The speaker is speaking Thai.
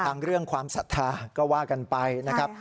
เรื่องความศรัทธาก็ว่ากันไปนะครับ